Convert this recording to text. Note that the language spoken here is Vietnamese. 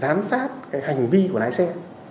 giám sát cái hành vi của lái xe